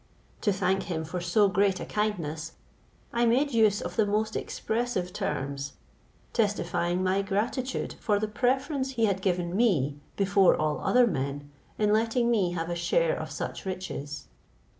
To thank him for so great a kindness, I made use of the most expressive terms, testifying my gratitude for the preference he had given me before all other men in letting me have a share of such riches.